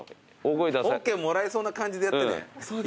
ＯＫもらえそうな感じでやってね。